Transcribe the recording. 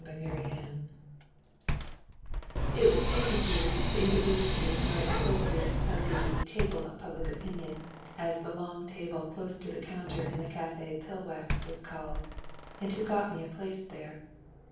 ] It was Petöfi who introduced me to my associates of the "Table of Public Opinion" (as the long table close to the counter in the Café Pillwax was called), and who got me a place there.